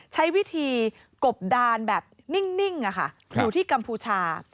ใช้วิธีกบดานแบบนิ่งอยู่ที่กัมพูชา